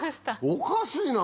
おかしいな。